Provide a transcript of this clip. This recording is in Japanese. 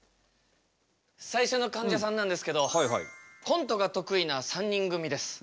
最初のかんじゃさんなんですけどコントが得意な３人組です。